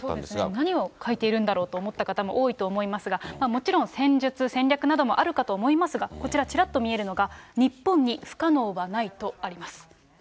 何を書いているんだろうと思った方も多いと思いますが、もちろん、戦術、戦略などもあるかと思いますが、こちら、ちらっと見えるのが、日本に不可能はないとあります。